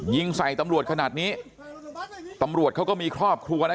ยิงใส่ตำรวจขนาดนี้ตำรวจเขาก็มีครอบครัวนะ